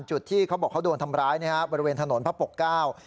ที่เขาบอกเขาโดนทำร้ายนะครับบริเวณถนนพระปกเก้า